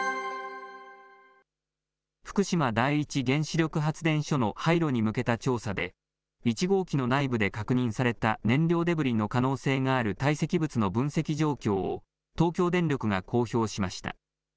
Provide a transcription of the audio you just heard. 福島第一原子力発電所の廃炉に向けた調査で、１号機の内部で確認された燃料デブリの可能性がある堆積物の分析状況を、東京電力が公表しました。